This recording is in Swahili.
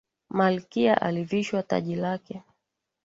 Malkia alivishwa taji lake.